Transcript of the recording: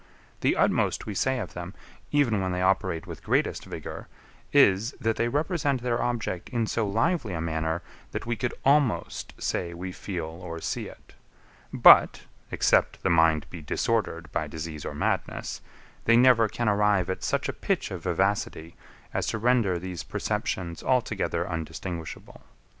The utmost we say of them, even when they operate with greatest vigour, is, that they represent their object in so lively a manner, that we could almost say we feel or see it: But, except the mind be disordered by disease or madness, they never can arrive at such a pitch of vivacity, as to render these perceptions altogether undistinguishable.